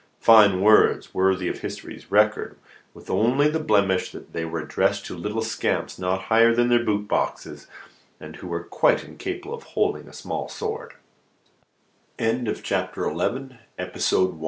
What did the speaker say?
Fine words, worthy of history's record, with only the blemish that they were addressed to little scamps not higher than their boot boxes, and who were quite incapable of holding a smallsword.